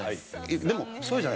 でもそうじゃない。